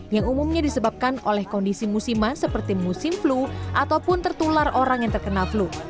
yang umumnya disebabkan oleh kondisi musiman seperti musim flu ataupun tertular orang yang terkena flu